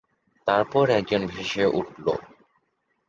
তারপর একজন ভেসে উঠলো।